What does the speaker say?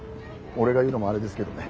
俺が言うのもあれですけどね。